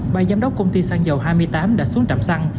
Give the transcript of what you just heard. ba giám đốc công ty xăng dầu hai mươi tám đã xuống trạm xăng